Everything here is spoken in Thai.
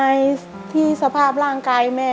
ในที่สภาพร่างกายแม่